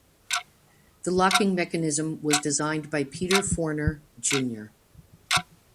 The locking mechanism was designed by Peter Fortner junior.